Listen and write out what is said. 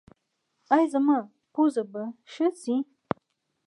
ایا زما پوزه به ښه شي؟